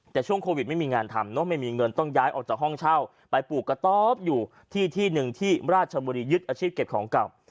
แต่ช่วงโควิดไม่มีงานทำเนอะไม่มีเงินต้องย้ายออกจากห้องเช่าไปปลูกกระต๊อบอยู่ที่ที่หนึ่งที่ราชบุรียึดอาชีพเก็บของเก่า